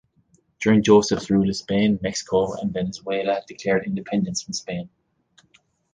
During Joseph's rule of Spain, Mexico and Venezuela declared independence from Spain.